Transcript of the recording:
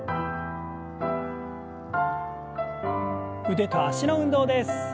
腕と脚の運動です。